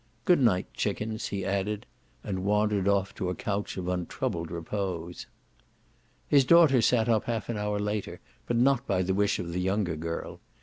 "Good night, chickens," he added; and wandered off to a couch of untroubled repose. His daughters sat up half an hour later, but not by the wish of the younger girl.